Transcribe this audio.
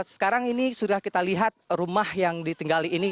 sekarang ini sudah kita lihat rumah yang ditinggali ini